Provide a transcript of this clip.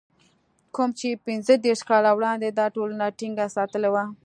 کوم چې پنځه دېرش کاله وړاندې دا ټولنه ټينګه ساتلې وه.